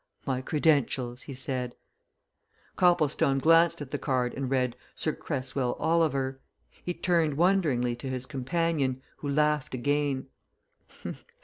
"My credentials!" he said. Copplestone glanced at the card and read "Sir Cresswell Oliver," He turned wonderingly to his companion, who laughed again.